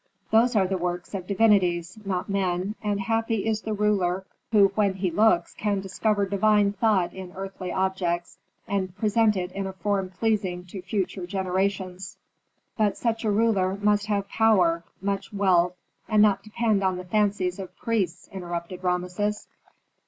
Those are the works of divinities, not men, and happy is the ruler who when he looks can discover divine thought in earthly objects and present it in a form pleasing to future generations." "But such a ruler must have power, much wealth, and not depend on the fancies of priests," interrupted Rameses.